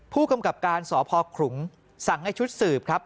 ผู้กำกับการสพขลุงสั่งให้ชุดสืบครับ